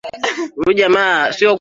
Safari ya kuenda mbinguni .